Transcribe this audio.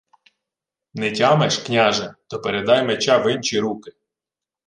— Не тямиш, княже, то передай меча в инчі руки!